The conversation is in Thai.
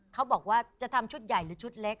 เขาบอกว่าจะทำชุดใหญ่หรือชุดเล็ก